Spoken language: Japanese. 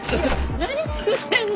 何作ってんの？